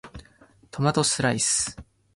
トマトスライス